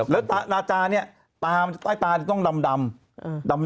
แล้วนาจาเนี่ยตายตาต้องดำ